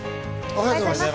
おはようございます。